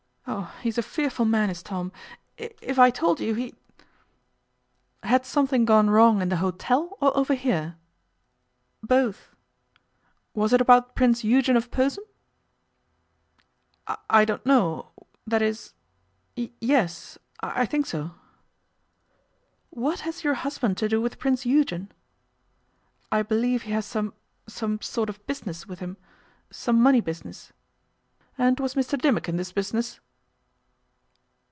Oh! he's a fearful man, is Tom. If I told you, he'd ' 'Had something gone wrong in the hotel, or over here?' 'Both.' 'Was it about Prince Eugen of Posen?' 'I don't know that is, yes, I think so.' 'What has your husband to do with Prince Eugen?' 'I believe he has some some sort of business with him, some money business.' 'And was Mr Dimmock in this business?